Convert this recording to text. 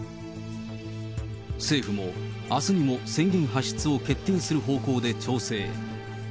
政府もあすにも宣言発出を決定する方向で調整。